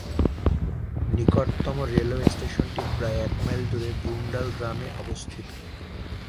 নিকটতম রেলওয়ে স্টেশনটি প্রায় এক মাইল দূরে ব্রুন্ডাল গ্রামে অবস্থিত।